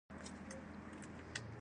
• د برېښنا لګښت باید مدیریت شي.